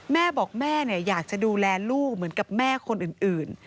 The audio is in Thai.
แม่บอกแม่อยากจะดูแลลูกเหมือนกับแม่คนอื่น